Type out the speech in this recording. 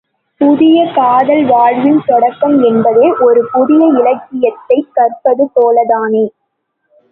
புதிய காதல் வாழ்வின் தொடக்கம் என்பதே, ஒரு புதிய இலக்கியத்தைக் கற்பது போலத்தானே!